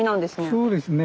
そうですね。